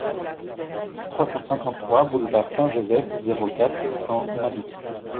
trois cent cinquante-trois boulevard Saint-Joseph, zéro quatre, cent, Manosque